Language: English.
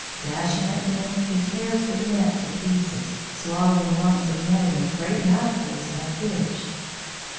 Dashing at them, he tears the net to pieces, swallowing lumps of netting with great mouthfuls of fish.